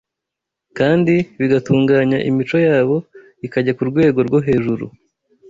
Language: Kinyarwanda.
kandi bigatunganya imico yabo ikajya ku rwego rwo hejuru.